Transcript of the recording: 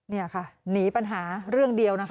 นี่ค่ะหนีปัญหาเรื่องเดียวนะคะ